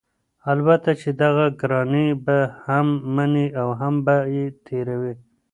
البته چې دغه ګرانی به هم مني او هم به یې تېروي؛